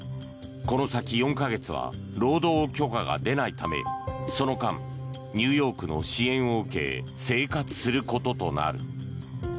この先４か月は労働許可が出ないためその間ニューヨークの支援を受け生活することとなる。